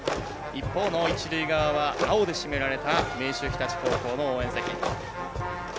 一方の一塁側は青で占められた明秀日立高校の応援席。